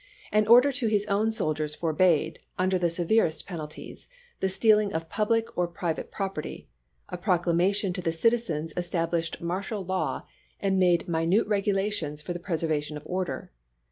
An order to his own soldiers forbade, under the sever est penalties, the stealing of public or private prop erty; a proclamation to the citizens established martial law and made minute regulations for the preservation of order.